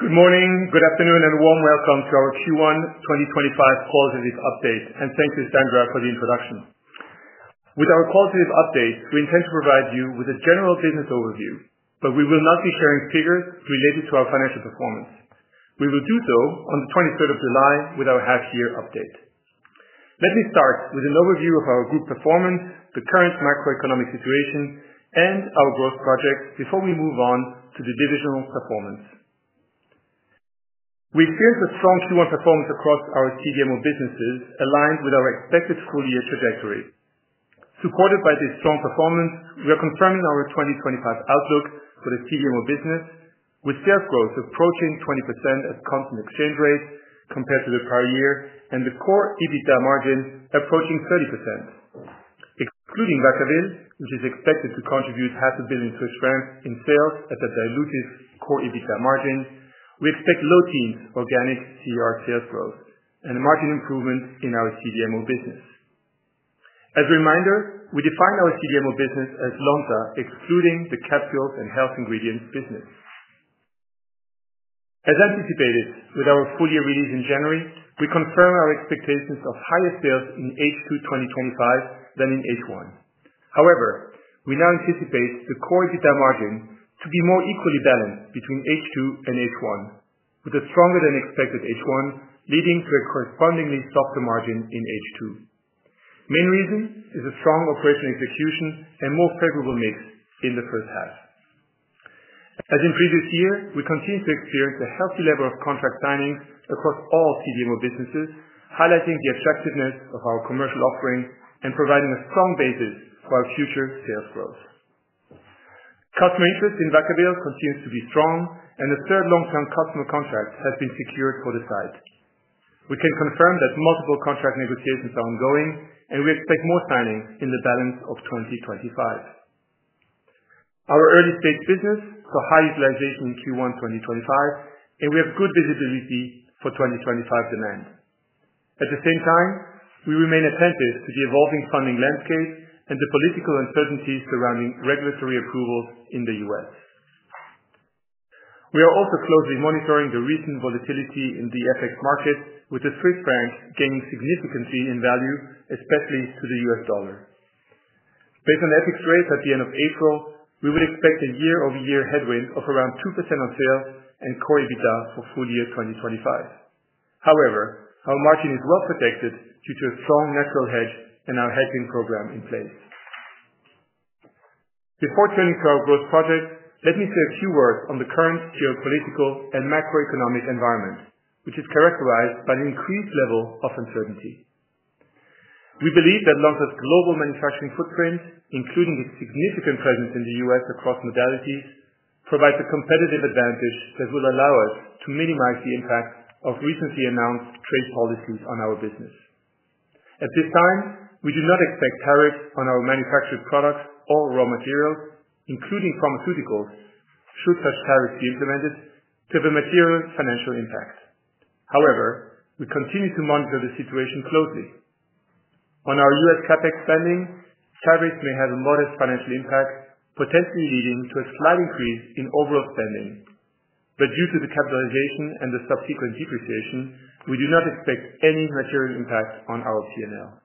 Good morning, good afternoon, and a warm welcome to our Q1 2025 qualitative update, and thank you, Sandra, for the introduction. With our qualitative updates, we intend to provide you with a general business overview, but we will not be sharing figures related to our financial performance. We will do so on the 23rd of July with our half-year update. Let me start with an overview of our group performance, the current macroeconomic situation, and our growth projects before we move on to the divisional performance. We experienced a strong Q1 performance across our CDMO businesses, aligned with our expected full-year trajectory. Supported by this strong performance, we are confirming our 2025 outlook for the CDMO business, with sales growth approaching 20% at constant exchange rate compared to the prior year, and the core EBITDA margin approaching 30%. Excluding Vacaville, which is expected to contribute 500,000,000 Swiss francs in sales at a diluted core EBITDA margin, we expect low-teens organic CER sales growth and a margin improvement in our CDMO business. As a reminder, we define our CDMO business as Lonza, excluding the Capsules and Health Ingredients business. As anticipated with our full-year release in January, we confirm our expectations of higher sales in H2 2025 than in H1. However, we now anticipate the core EBITDA margin to be more equally balanced between H2 and H1, with a stronger-than-expected H1 leading to a correspondingly softer margin in H2. The main reason is a strong operational execution and more favorable mix in the first half. As in previous years, we continue to experience a healthy level of contract signings across all CDMO businesses, highlighting the attractiveness of our commercial offering and providing a strong basis for our future sales growth. Customer interest in Vacaville continues to be strong, and a third long-term customer contract has been secured for the site. We can confirm that multiple contract negotiations are ongoing, and we expect more signings in the balance of 2025. Our early-stage business saw high utilization in Q1 2025, and we have good visibility for 2025 demand. At the same time, we remain attentive to the evolving funding landscape and the political uncertainties surrounding regulatory approvals in the U.S. We are also closely monitoring the recent volatility in the FX market, with the Swiss Franc gaining significantly in value, especially to the U.S. dollar. Based on the FX rate at the end of April, we would expect a year-over-year headwind of around 2% on sales and core EBITDA for full-year 2025. However, our margin is well protected due to a strong natural hedge and our hedging program in place. Before turning to our growth project, let me say a few words on the current geopolitical and macroeconomic environment, which is characterized by an increased level of uncertainty. We believe that Lonza's global manufacturing footprint, including its significant presence in the U.S. across modalities, provides a competitive advantage that will allow us to minimize the impact of recently announced trade policies on our business. At this time, we do not expect tariffs on our manufactured products or raw materials, including pharmaceuticals, should such tariffs be implemented, to have a material financial impact. However, we continue to monitor the situation closely. On our U.S. CapEx spending, tariffs may have a modest financial impact, potentially leading to a slight increase in overall spending. Due to the capitalization and the subsequent depreciation, we do not expect any material impact on our P&L.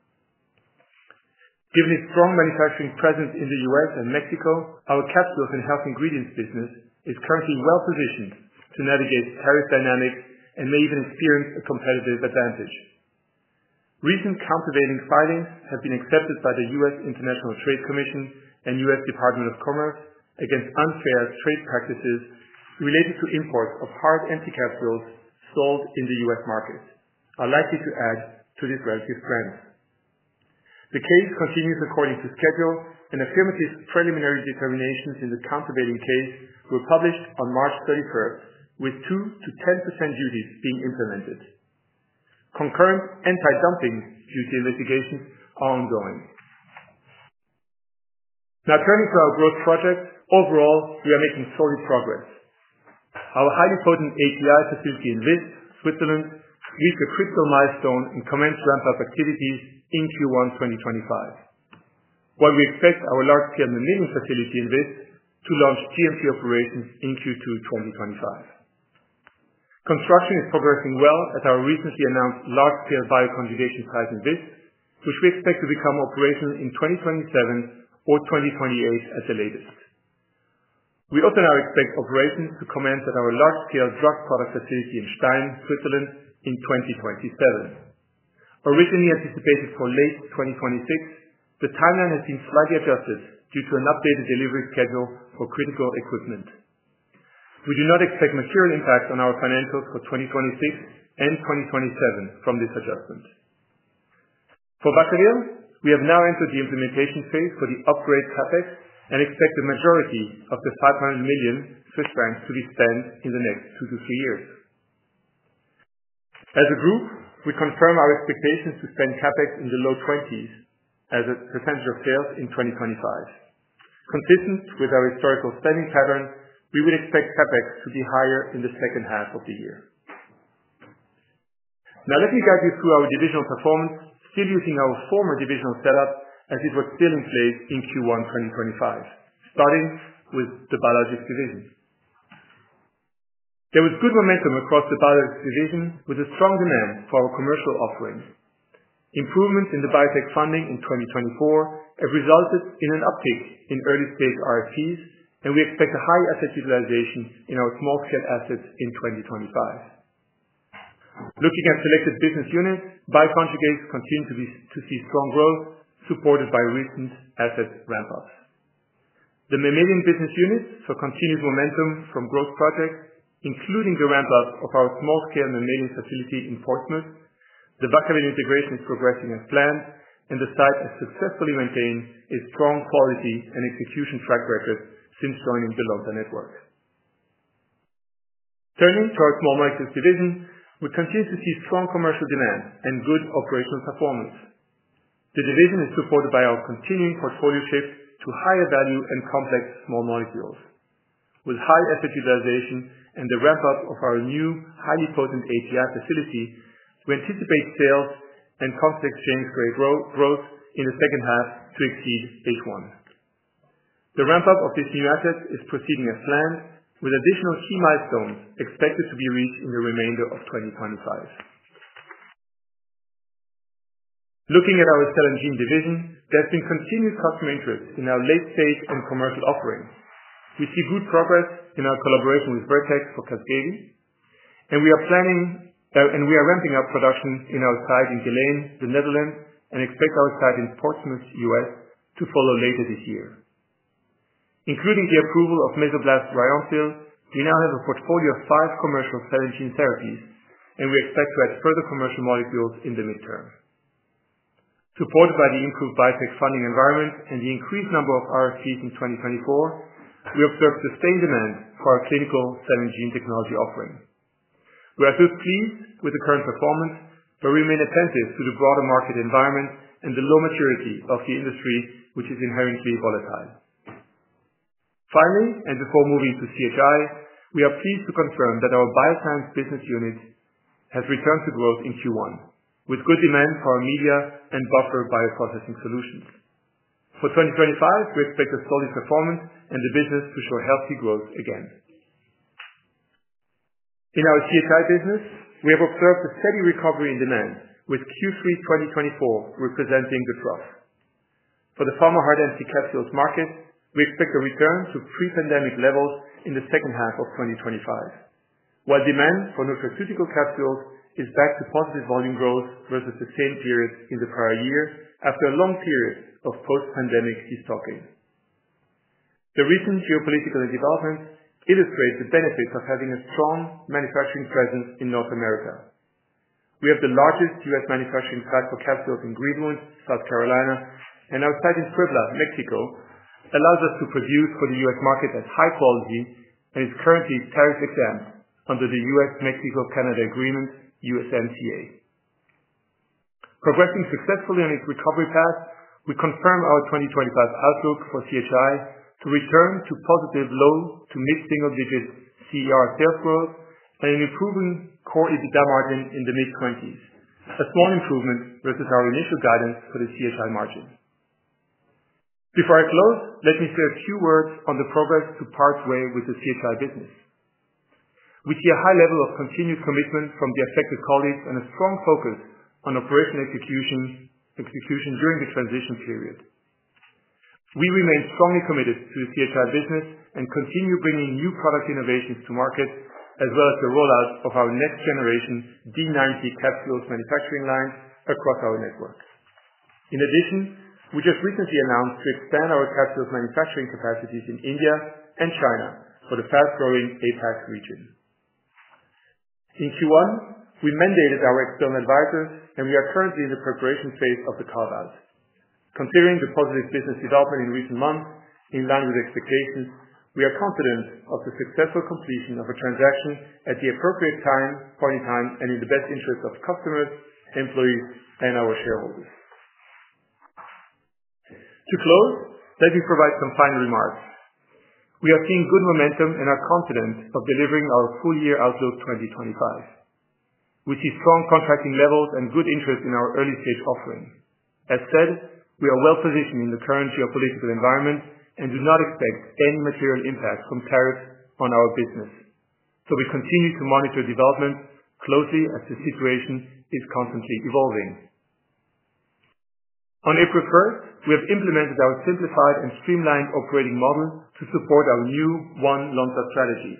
Given its strong manufacturing presence in the U.S. and Mexico, our Capsules and Health Ingredients business is currently well-positioned to navigate tariff dynamics and may even experience a competitive advantage. Recent countervailing filings have been accepted by the U.S. International Trade Commission and U.S. Department of Commerce against unfair trade practices related to imports of hard anti-capsules sold in the U.S. market, which are likely to add to this relative trend. The case continues according to schedule, and affirmative preliminary determinations in the countervailing case were published on March 31, with 2%-10% duties being implemented. Concurrent anti-dumping duty investigations are ongoing. Now, turning to our growth projects, overall, we are making solid progress. Our highly potent API facility in Visp, Switzerland, reached a critical milestone and commenced ramp-up activities in Q1 2025, while we expect our large-scale milling facility in Visp to launch GMP operations in Q2 2025. Construction is progressing well at our recently announced large-scale bioconjugation site in Visp, which we expect to become operational in 2027 or 2028 at the latest. We also now expect operations to commence at our large-scale drug product facility in Stein, Switzerland, in 2027. Originally anticipated for late 2026, the timeline has been slightly adjusted due to an updated delivery schedule for critical equipment. We do not expect material impacts on our financials for 2026 and 2027 from this adjustment. For Vacaville, we have now entered the implementation phase for the upgrade CapEx and expect the majority of the 500 million Swiss francs to be spent in the next two to three years. As a group, we confirm our expectations to spend CapEx in the low 20s % of sales in 2025. Consistent with our historical spending pattern, we would expect CapEx to be higher in the second half of the year. Now, let me guide you through our divisional performance, still using our former divisional setup as it was still in place in Q1 2025, starting with the biologics division. There was good momentum across the biologics division, with a strong demand for our commercial offering. Improvements in the biotech funding in 2024 have resulted in an uptick in early-stage RFPs, and we expect a high asset utilization in our small-scale assets in 2025. Looking at selected business units, biconjugates continue to see strong growth, supported by recent asset ramp-ups. The mammalian business units saw continued momentum from growth projects, including the ramp-up of our small-scale mammalian facility in Portsmouth. The Vacaville integration is progressing as planned, and the site has successfully maintained a strong quality and execution track record since joining the Lonza network. Turning to our small molecules division, we continue to see strong commercial demand and good operational performance. The division is supported by our continuing portfolio shift to higher value and complex small molecules. With high asset utilization and the ramp-up of our new highly potent facility, we anticipate sales and constant exchange rate growth in the second half to exceed H1. The ramp-up of these new assets is proceeding as planned, with additional key milestones expected to be reached in the remainder of 2025. Looking at our cell and gene division, there has been continued customer interest in our late-stage and commercial offerings. We see good progress in our collaboration with Vertex for Casgevy, and we are ramping up production in our site in Geleen, Netherlands, and expect our site in Portsmouth, U.S., to follow later this year. Including the approval of Mesoblast Ryoncil, we now have a portfolio of five commercial cell and gene therapies, and we expect to add further commercial molecules in the midterm. Supported by the improved biotech funding environment and the increased number of RFPs in 2024, we observe sustained demand for our clinical cell and gene technology offering. We are at least pleased with the current performance, but remain attentive to the broader market environment and the low maturity of the industry, which is inherently volatile. Finally, before moving to CHI, we are pleased to confirm that our bioscience business unit has returned to growth in Q1, with good demand for our media and buffer bioprocessing solutions. For 2025, we expect a solid performance and the business to show healthy growth again. In our CHI business, we have observed a steady recovery in demand, with Q3 2024 representing the trough. For the pharma hard anti-capsules market, we expect a return to pre-pandemic levels in the second half of 2025, while demand for nutraceutical capsules is back to positive volume growth versus the same period in the prior year after a long period of post-pandemic stocking. The recent geopolitical developments illustrate the benefits of having a strong manufacturing presence in North America. We have the largest U.S. manufacturing site for capsules in Greenland, South Carolina, and our site in Puebla, Mexico, allows us to produce for the U.S. market at high quality and is currently tariff-exempt under the U.S. Mexico Canada Agreement, USMCA. Progressing successfully on its recovery path, we confirm our 2025 outlook for CHI to return to positive low to mid-single-digit CER sales growth and an improving core EBITDA margin in the mid-20s, a small improvement versus our initial guidance for the CHI margin. Before I close, let me say a few words on the progress to part way with the CHI business. We see a high level of continued commitment from the affected colleagues and a strong focus on operational execution during the transition period. We remain strongly committed to the CHI business and continue bringing new product innovations to market, as well as the rollout of our next-generation D90 capsules manufacturing lines across our network. In addition, we just recently announced to expand our capsules manufacturing capacities in India and China for the fast-growing APAC region. In Q1, we mandated our external advisors, and we are currently in the preparation phase of the carve-out. Considering the positive business development in recent months, in line with expectations, we are confident of the successful completion of a transaction at the appropriate point in time and in the best interest of customers, employees, and our shareholders. To close, let me provide some final remarks. We are seeing good momentum and are confident of delivering our full-year outlook 2025. We see strong contracting levels and good interest in our early-stage offering. As said, we are well-positioned in the current geopolitical environment and do not expect any material impact from tariffs on our business. We continue to monitor developments closely as the situation is constantly evolving. On April 1, we have implemented our simplified and streamlined operating model to support our new One Lonza strategy.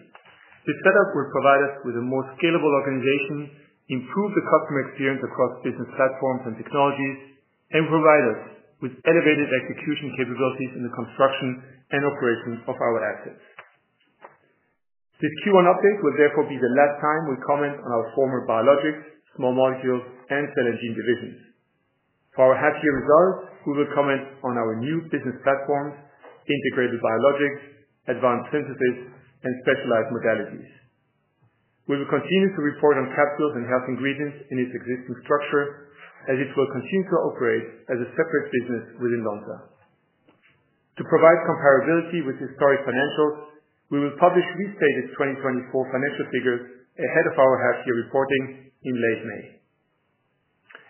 This setup will provide us with a more scalable organization, improve the customer experience across business platforms and technologies, and provide us with elevated execution capabilities in the construction and operation of our assets. This Q1 update will therefore be the last time we comment on our former biologics, small molecules, and cell and gene divisions. For our half-year results, we will comment on our new business platforms, integrated biologics, advanced synthesis, and specialized modalities. We will continue to report on Capsules and Health Ingredients in its existing structure, as it will continue to operate as a separate business within Lonza. To provide comparability with historic financials, we will publish restated 2024 financial figures ahead of our half-year reporting in late May.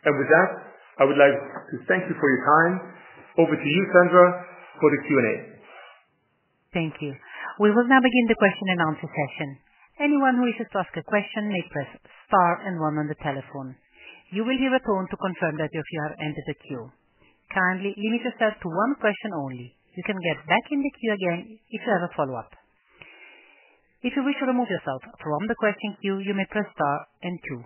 I would like to thank you for your time. Over to you, Sandra, for the Q&A. Thank you. We will now begin the question and answer session. Anyone who wishes to ask a question may press Star and 1 on the telephone. You will hear a tone to confirm that you have entered the queue. Kindly limit yourself to one question only. You can get back in the queue again if you have a follow-up. If you wish to remove yourself from the question queue, you may press Star and two.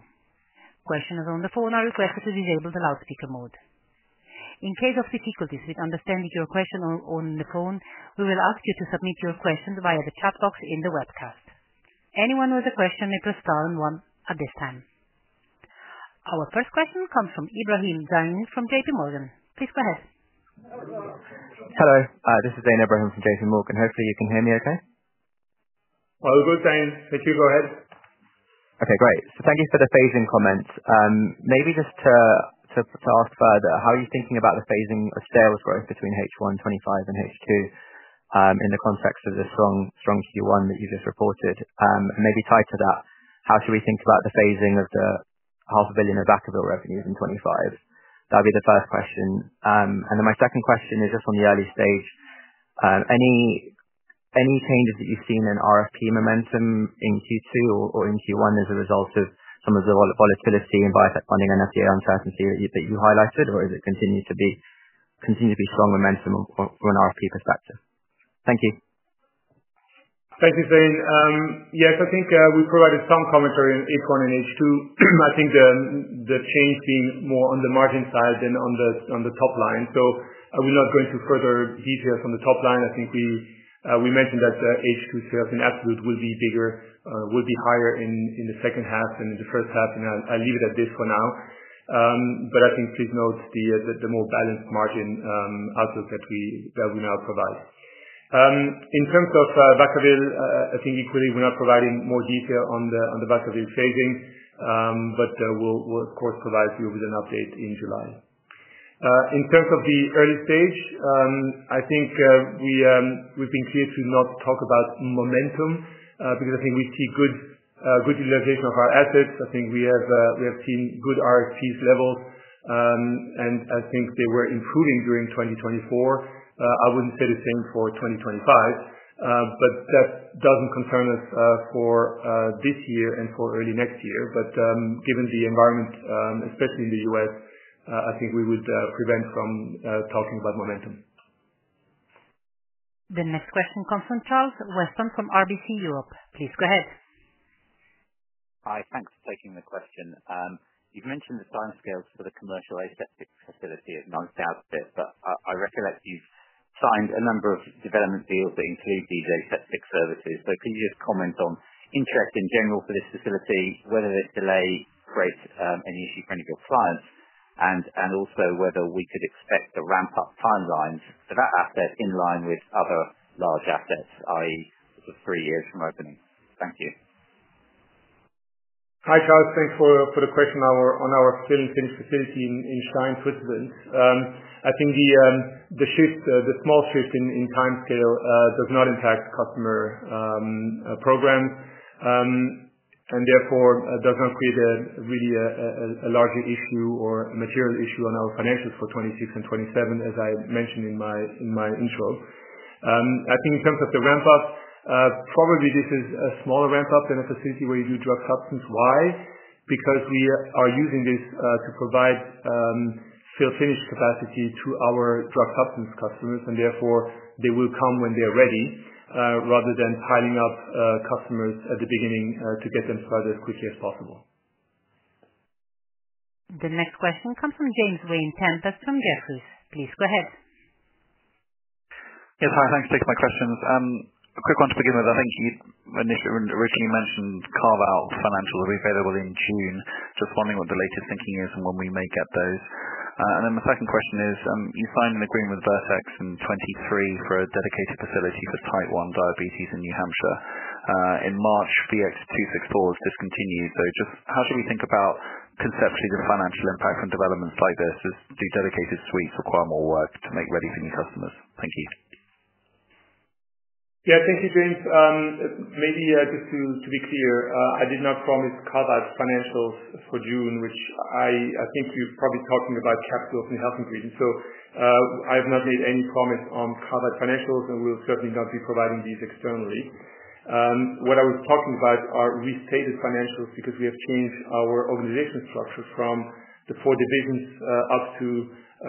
Questioners on the phone are requested to disable the loudspeaker mode. In case of difficulties with understanding your question on the phone, we will ask you to submit your questions via the chat box in the webcast. Anyone with a question may press Star and 1 at this time. Our first question comes from Ibrahim Dan from JPMorgan. Please go ahead. Hello. Hello. This is Dan Ibrahim from JPMorgan. Hopefully, you can hear me okay. All good, Dan. Thank you. Go ahead. Okay. Great. Thank you for the phasing comments. Maybe just to ask further, how are you thinking about the phasing of sales growth between H1 2025 and H2 in the context of the strong Q1 that you have just reported? Maybe tied to that, how should we think about the phasing of the a half billion of Vacaville revenues in 2025? That would be the first question. My second question is just on the early stage. Any changes that you've seen in RFP momentum in Q2 or in Q1 as a result of some of the volatility in biotech funding and FDA uncertainty that you highlighted? Or is it continued to be strong momentum from an RFP perspective? Thank you. Thank you, Dan. Yes, I think we provided some commentary on H1 and H2. I think the change being more on the margin side than on the top line. I will not go into further details on the top line. I think we mentioned that H2 sales in absolute will be bigger, will be higher in the second half than in the first half. I'll leave it at this for now. I think please note the more balanced margin outlook that we now provide. In terms of Vacaville, I think equally we're not providing more detail on the Vacaville phasing, but we'll, of course, provide you with an update in July. In terms of the early stage, I think we've been clear to not talk about momentum because I think we see good utilization of our assets. I think we have seen good RFPs levels, and I think they were improving during 2024. I wouldn't say the same for 2025, but that doesn't concern us for this year and for early next year. Given the environment, especially in the U.S., I think we would prevent from talking about momentum. The next question comes from Charles Weston from RBC Europe. Please go ahead. Hi. Thanks for taking the question. You've mentioned the time scales for the commercial aseptic facility at Lonza outfit, but I recollect you've signed a number of development deals that include these aseptic services. Could you just comment on interest in general for this facility, whether this delay creates any issue for any of your clients, and also whether we could expect the ramp-up timelines for that asset in line with other large assets, i.e., three years from opening? Thank you. Hi, Charles. Thanks for the question on our cell and gene facility in Stein, Switzerland. I think the small shift in time scale does not impact customer programs and therefore does not create really a larger issue or a material issue on our financials for 2026 and 2027, as I mentioned in my intro. I think in terms of the ramp-up, probably this is a smaller ramp-up than a facility where you do drug substance. Why? Because we are using this to provide fill-finish capacity to our drug substance customers, and therefore they will come when they're ready rather than piling up customers at the beginning to get them started as quickly as possible. The next question comes from James Vane-Tempest from Jefferies. Please go ahead. Yes, hi. Thanks for taking my questions. A quick one to begin with. I think you originally mentioned carve-out financials will be available in June. Just wondering what the latest thinking is and when we may get those. My second question is, you signed an agreement with Vertex in 2023 for a dedicated facility for type 1 diabetes in New Hampshire. In March, VX264 was discontinued. Just how should we think about conceptually the financial impact from developments like this? Do dedicated suites require more work to make ready for new customers? Thank you. Yeah, thank you, James. Maybe just to be clear, I did not promise carve-out financials for June, which I think you're probably talking about Capsules and Health Ingredients. I have not made any promise on carve-out financials, and we'll certainly not be providing these externally. What I was talking about are restated financials because we have changed our organization structure from the four divisions up to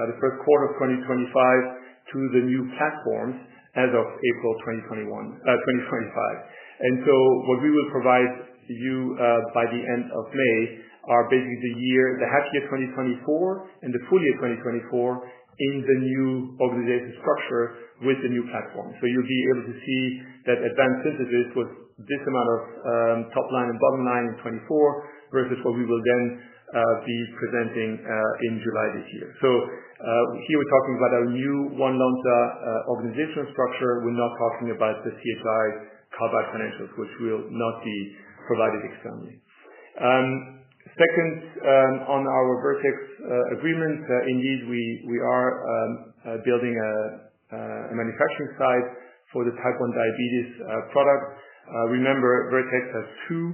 the first quarter of 2025 to the new platforms as of April 2025. What we will provide you by the end of May are basically the half-year 2024 and the full year 2024 in the new organization structure with the new platform. You'll be able to see that Advanced Synthesis was this amount of top line and bottom line in 2024 versus what we will then be presenting in July this year. Here we're talking about our new One Lonza organizational structure. We're not talking about the CHI carve-out financials, which will not be provided externally. Second, on our Vertex agreement, indeed, we are building a manufacturing site for the type 1 diabetes product. Remember, Vertex has two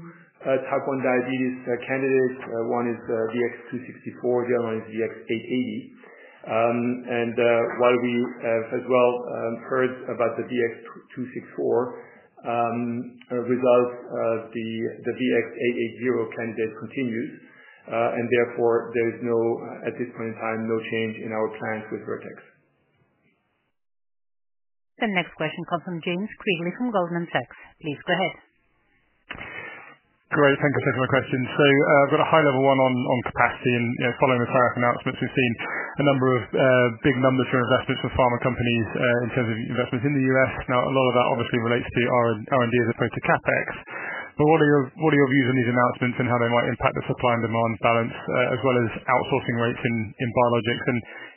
type one diabetes candidates. One is VX264. The other one is VX880. While we have as well heard about the VX264, results of the VX880 candidate continues, and therefore there is, at this point in time, no change in our plans with Vertex. The next question comes from James Quigley from Goldman Sachs. Please go ahead. Great. Thank you for taking my question. I've got a high-level one on capacity. Following the tariff announcements, we've seen a number of big numbers for investments for pharma companies in terms of investments in the U.S. Now, a lot of that obviously relates to R&D as opposed to CapEx. What are your views on these announcements and how they might impact the supply and demand balance, as well as outsourcing rates in biologics?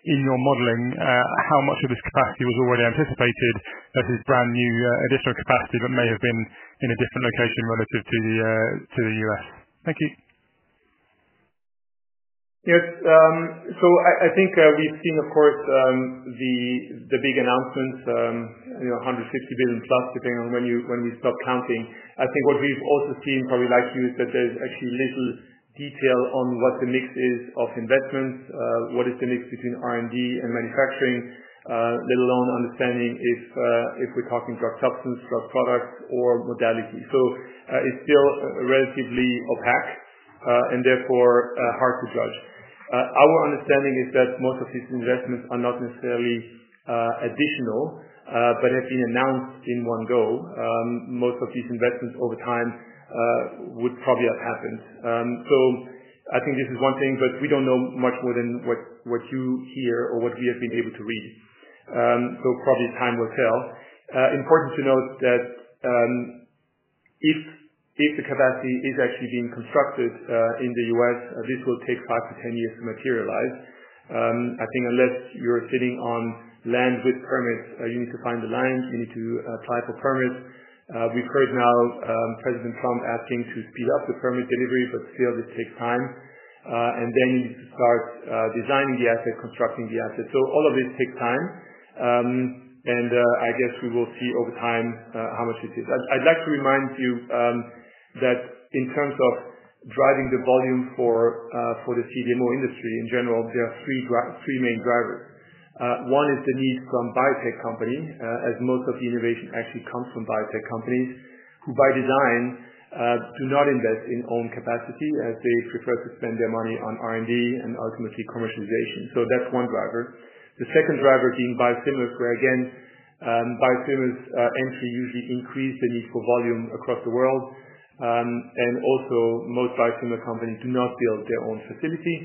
In your modeling, how much of this capacity was already anticipated versus brand new additional capacity that may have been in a different location relative to the U.S.? Thank you. Yes. I think we've seen, of course, the big announcements, $150 billion plus, depending on when we stop counting. I think what we've also seen, probably like you, is that there's actually little detail on what the mix is of investments, what is the mix between R&D and manufacturing, let alone understanding if we're talking drug substance, drug products, or modality. It is still relatively opaque and therefore hard to judge. Our understanding is that most of these investments are not necessarily additional but have been announced in one go. Most of these investments over time would probably have happened. I think this is one thing, but we don't know much more than what you hear or what we have been able to read. Probably time will tell. Important to note that if the capacity is actually being constructed in the U.S., this will take 5-10 years to materialize. I think unless you're sitting on land with permits, you need to find the land. You need to apply for permits. We've heard now President Trump asking to speed up the permit delivery, but still, this takes time. You need to start designing the asset, constructing the asset. All of this takes time. I guess we will see over time how much it is. I'd like to remind you that in terms of driving the volume for the CDMO industry in general, there are three main drivers. One is the need from biotech companies, as most of the innovation actually comes from biotech companies who, by design, do not invest in own capacity as they prefer to spend their money on R&D and ultimately commercialization. That's one driver. The second driver being biosimilars, where again, biosimilars' entry usually increases the need for volume across the world. Also, most biosimilar companies do not build their own facility.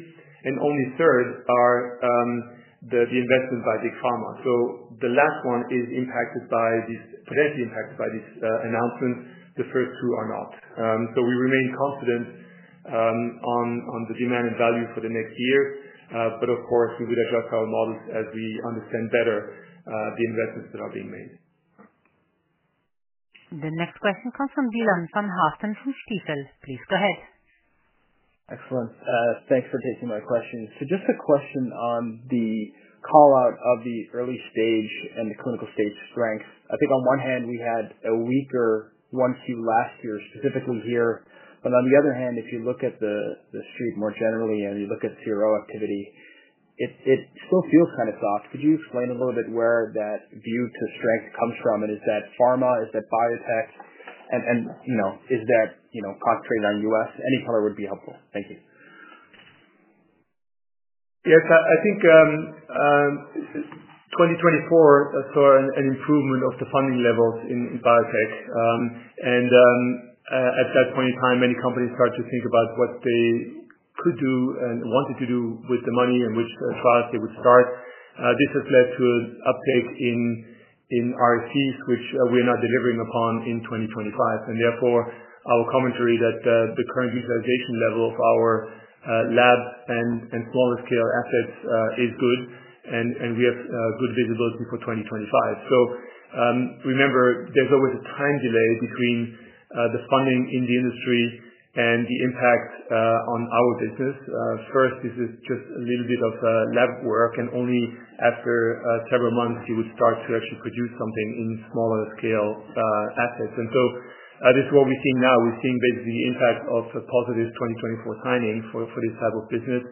Only third are the investment by big pharma. The last one is potentially impacted by this announcement. The first two are not. We remain confident on the demand and value for the next year. Of course, we would adjust our models as we understand better the investments that are being made. The next question comes from Dylan Van Haaften from Stifel. Please go ahead. Excellent. Thanks for taking my question. Just a question on the call-out of the early stage and the clinical stage strength. I think on one hand, we had a weaker Q1 last year, specifically here. On the other hand, if you look at the street more generally and you look at CRO activity, it still feels kind of soft. Could you explain a little bit where that view to strength comes from? Is that pharma? Is that biotech? Is that concentrated on U.S.? Any color would be helpful. Thank you. Yes. I think 2024 saw an improvement of the funding levels in biotech. At that point in time, many companies started to think about what they could do and wanted to do with the money and which trials they would start. This has led to an uptake in RFPs, which we are not delivering upon in 2025. Therefore, our commentary that the current utilization level of our lab and smaller scale assets is good, and we have good visibility for 2025. Remember, there is always a time delay between the funding in the industry and the impact on our business. First, this is just a little bit of lab work, and only after several months, you would start to actually produce something in smaller scale assets. This is what we are seeing now. We're seeing basically the impact of positive 2024 signing for this type of business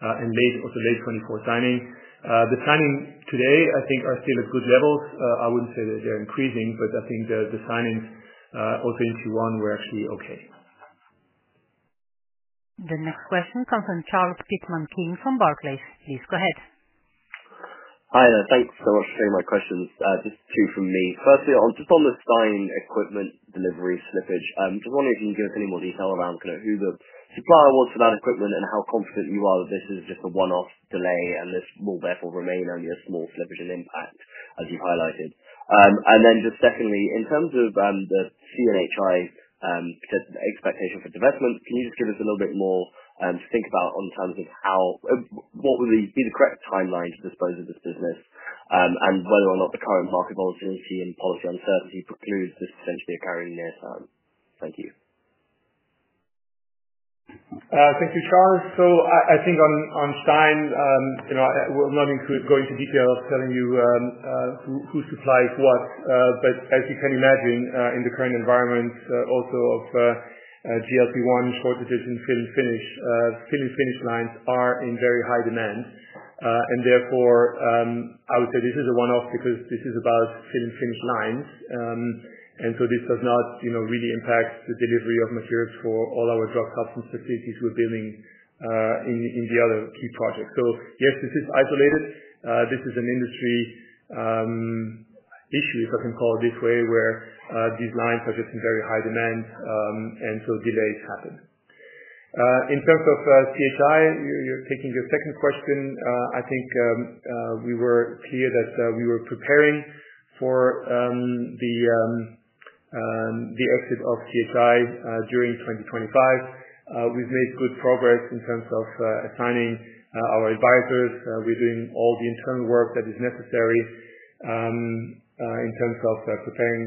and also late 2024 signing. The signing today, I think, are still at good levels. I wouldn't say that they're increasing, but I think the signings also in Q1 were actually okay. The next question comes from Charles Pitman-King from Barclays. Please go ahead. Hi. Thanks so much for taking my questions. Just two from me. Firstly, just on the signed equipment delivery slippage, I'm just wondering if you can give us any more detail around kind of who the supplier was for that equipment and how confident you are that this is just a one-off delay and this will therefore remain only a small slippage in impact, as you've highlighted. And then just secondly, in terms of the CNHI expectation for development, can you just give us a little bit more to think about in terms of what would be the correct timeline to dispose of this business and whether or not the current market volatility and policy uncertainty precludes this potentially occurring near term? Thank you. Thank you, Charles. I think on Stein, I'm not going to go into detail of telling you who supplies what. As you can imagine, in the current environment, also with GLP-1 shortages, fill-in-finish lines are in very high demand. Therefore, I would say this is a one-off because this is about fill-in-finish lines. This does not really impact the delivery of materials for all our drug substance facilities we're building in the other key projects. Yes, this is isolated. This is an industry issue, if I can call it this way, where these lines are just in very high demand, and so delays happen. In terms of CHI, taking your second question, I think we were clear that we were preparing for the exit of CHI during 2025. We've made good progress in terms of assigning our advisors. We're doing all the internal work that is necessary in terms of preparing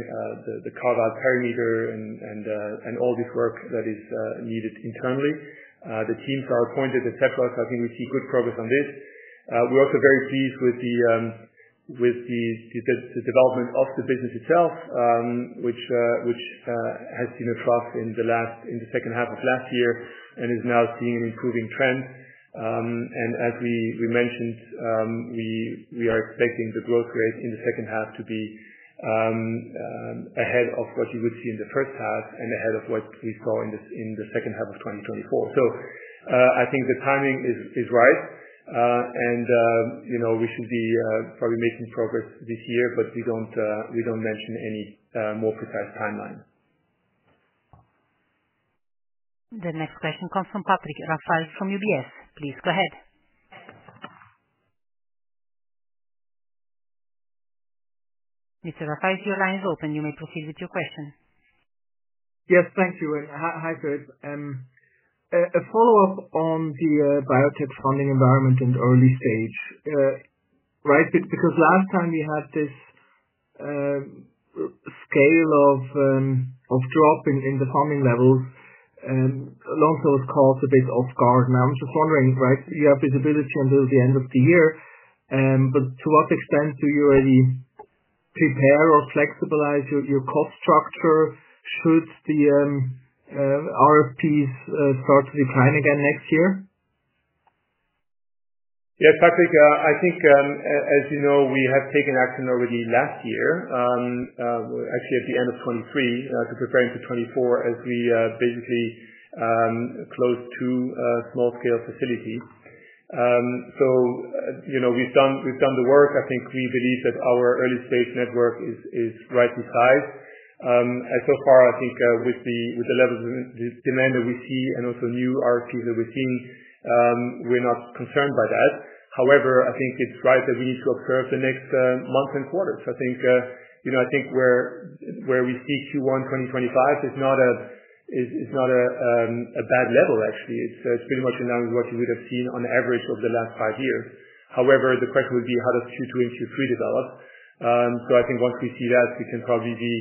the carve-out perimeter and all this work that is needed internally. The teams are appointed, etc. I think we see good progress on this. We're also very pleased with the development of the business itself, which has seen a trough in the second half of last year and is now seeing an improving trend. As we mentioned, we are expecting the growth rate in the second half to be ahead of what you would see in the first half and ahead of what we saw in the second half of 2024. I think the timing is right, and we should be probably making progress this year, but we do not mention any more precise timeline. The next question comes from Patrick Rafaisz from UBS. Please go ahead. Mr. Rafaisz, your line is open. You may proceed with your question. Yes, thank you. Hi, Philip. A follow-up on the biotech funding environment and early stage. Because last time we had this scale of drop in the funding levels, Lonza was caught a bit off guard. I'm just wondering, you have visibility until the end of the year, but to what extent do you already prepare or flexibilize your cost structure should the RFPs start to decline again next year? Yes, Patrick. I think, as you know, we have taken action already last year, actually at the end of 2023, preparing for 2024 as we basically closed two small-scale facilities. We've done the work. I think we believe that our early-stage network is rightly sized. So far, I think with the level of demand that we see and also new RFPs that we're seeing, we're not concerned by that. However, I think it's right that we need to observe the next month and quarter. I think where we see Q1 2025 is not a bad level, actually. It's pretty much in line with what you would have seen on average over the last five years. However, the question would be, how does Q2 and Q3 develop? I think once we see that, we can probably be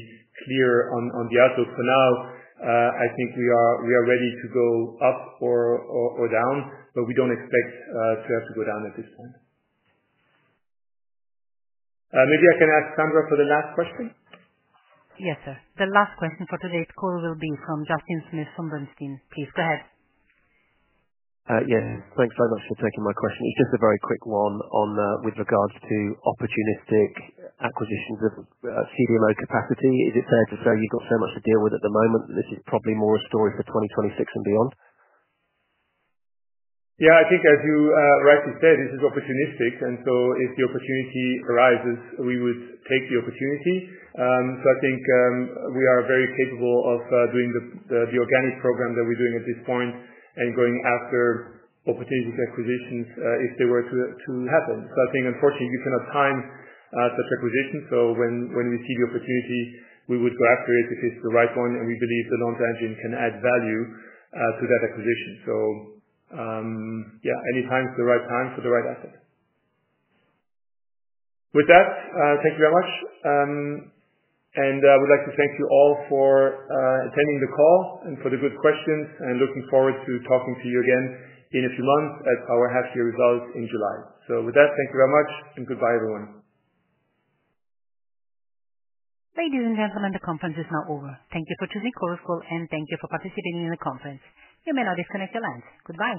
clear on the outlook. For now, I think we are ready to go up or down, but we do not expect to have to go down at this point. Maybe I can ask Sandra for the last question? Yes, sir. The last question for today's call will be from Justin Smith from Bernstein. Please go ahead. Yes. Thanks very much for taking my question. It's just a very quick one with regards to opportunistic acquisitions of CDMO capacity. Is it fair to say you have got so much to deal with at the moment that this is probably more a story for 2026 and beyond? Yeah. I think, as you rightly said, this is opportunistic. If the opportunity arises, we would take the opportunity. I think we are very capable of doing the organic program that we're doing at this point and going after opportunistic acquisitions if they were to happen. Unfortunately, you cannot time such acquisitions. When we see the opportunity, we would go after it if it's the right one. We believe the Lonza engine can add value to that acquisition. Any time is the right time for the right asset. With that, thank you very much. I would like to thank you all for attending the call and for the good questions. Looking forward to talking to you again in a few months at our half-year results in July. With that, thank you very much. Goodbye, everyone. Ladies and gentlemen, the conference is now over. Thank you for choosing, and thank you for participating in the conference. You may now disconnect your lines. Goodbye.